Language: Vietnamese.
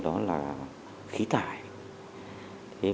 đó là khí tải